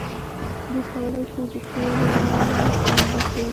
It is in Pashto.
دوی کولی شي د تیلو لاره بنده کړي.